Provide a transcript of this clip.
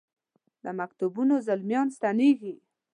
له مکتبونو زلمیا ن ستنیږي